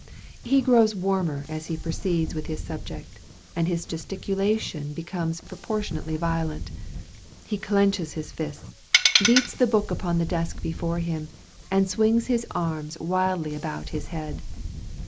He grows warmer as he proceeds with his subject, and his gesticulation becomes proportionately violent. He clenches his fists, beats the book upon the desk before him, and swings his arms wildly about his head.